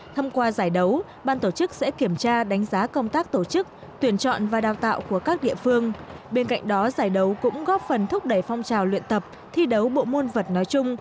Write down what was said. thâm qua giải đấu ban tổ chức sẽ kiểm tra đánh giá công tác tổ chức tuyển chọn và đào tạo của các địa phương bên cạnh đó giải đấu cũng góp phần thúc đẩy phong trào luyện tập thi đấu bộ môn vật nói chung và vật dân tộc nói riêng nhằm bảo tồn phát huy giá trị các môn thể thao dân tộc